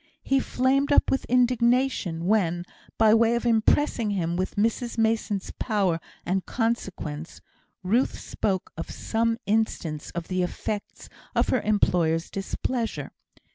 He flamed up with indignation when, by way of impressing him with Mrs Mason's power and consequence, Ruth spoke of some instance of the effects of her employer's displeasure.